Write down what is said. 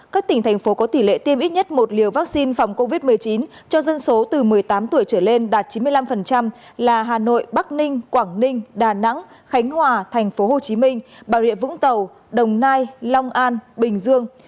các tỉnh thành phố có tỷ lệ tiêm ít nhất một liều vaccine phòng covid một mươi chín cho dân số từ một mươi tám tuổi trở lên đạt chín mươi năm là hà nội bắc ninh quảng ninh đà nẵng khánh hòa tp hcm bà rịa vũng tàu đồng nai long an bình dương